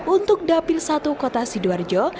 untuk dapil satu kota sidoarjo